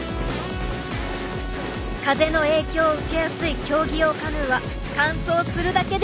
風の影響を受けやすい競技用カヌーは完走するだけでも一苦労。